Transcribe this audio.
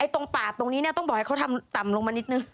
ตรงป่าตรงนี้ต้องบอกให้เขาทำต่ำลงมานิดนึง